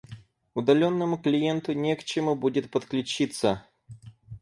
Удаленному клиенту не к чему будет подключиться